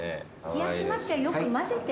冷やし抹茶よく混ぜて。